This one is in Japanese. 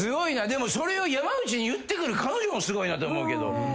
でもそれを山内に言ってくる彼女もすごいなと思うけど。